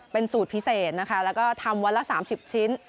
เป็นสูตรพิเศษนะคะแล้วก็ทำวันละ๓๐ชิ้น